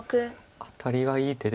アタリがいい手で。